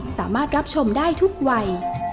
สามารถรับชมได้ทุกวัย